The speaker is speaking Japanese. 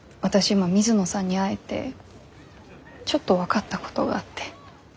今水野さんに会えてちょっと分かったことがあって。